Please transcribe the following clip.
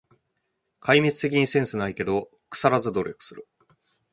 壊滅的にセンスないけど、くさらず努力する